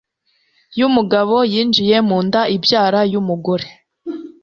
y'umugabo yinjiye mu nda ibyara y'umugore